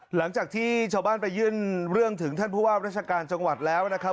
หลังจากที่ชาวบ้านไปยื่นเรื่องถึงท่านผู้ว่าราชการจังหวัดแล้วนะครับ